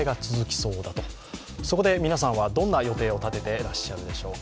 そこで皆さんはどんな予定を立てていらっしゃるでしょうか。